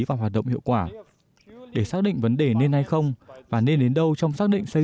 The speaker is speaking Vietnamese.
các cơ chế linh hoạt hiệu quả để xác định vấn đề nên hay không và nên đến đâu trong xác định xây